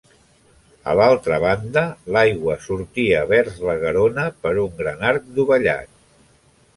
A l'altra banda l'aigua sortia vers la Garona per un gran arc dovellat.